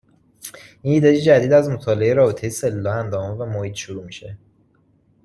این ایده جدید از مطالعه رابطه سلولها، اندامها و محیط شروع میشه.